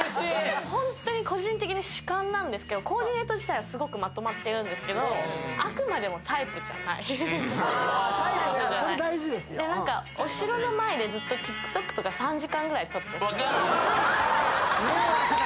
ホントに個人的に主観なんですけどコーディネート自体はすごくまとまってるんですけどお城の前でずっとＴｉｋＴｏｋとか３時間ぐらい撮ってそう分かる！